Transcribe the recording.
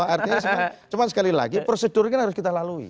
artinya cuma sekali lagi prosedurnya harus kita lalui